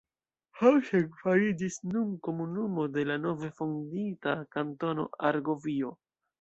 Hausen fariĝis nun komunumo de la nove fondita Kantono Argovio.